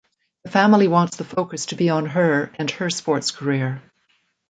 The family wants the focus to be on her and her sports career.